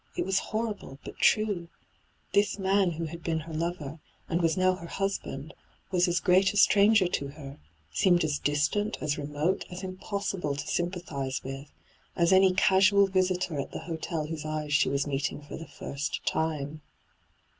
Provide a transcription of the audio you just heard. It was horrible, but true : this man who had been her lover, and was now her husband, was as great a stranger to her — seemed as distant, as remote, as impossible to sympathize with — as any casofJ visitor at the hotel whose eyes she was meeting for the first time.